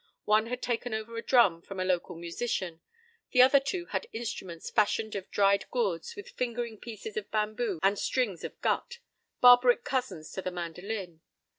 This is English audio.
One had taken over a drum from a local musician. The other two had instruments fashioned of dried gourds with fingering pieces of bamboo and strings of gut—barbaric cousins to the mandolin.